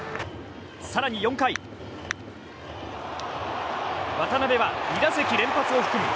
更に４回、渡邉は２打席連発を含む